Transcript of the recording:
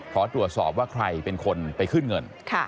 ขอตรวจสอบว่าใครเป็นคนไปขึ้นเงิน